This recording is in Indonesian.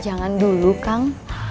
jangan dulu kang